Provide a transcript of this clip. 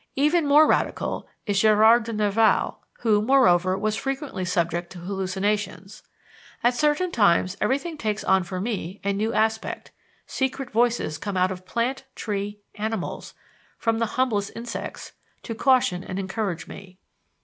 " Even more radical is Gérard de Nerval (who, moreover, was frequently subject to hallucinations): "At certain times everything takes on for me a new aspect secret voices come out of plant, tree, animals, from the humblest insects, to caution and encourage me.